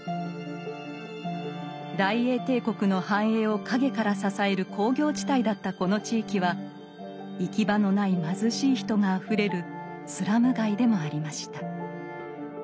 大英帝国の繁栄を陰から支える工業地帯だったこの地域は行き場のない貧しい人があふれるスラム街でもありました。